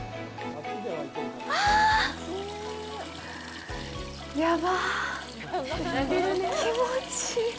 あー！やばぁ、気持ちいい。